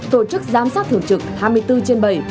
tổ chức giám sát thường trực hai mươi bốn trên bảy